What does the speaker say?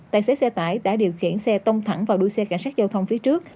tài xế xe tải đã điều khiển xe tông thẳng vào đuôi xe cảnh sát giao thông phía trước